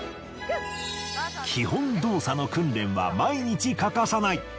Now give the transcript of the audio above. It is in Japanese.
基本動作の訓練は毎日欠かさない。